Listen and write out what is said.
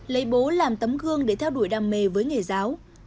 lấy bố làm tấm gương để theo đuổi đam mê với nghề giáo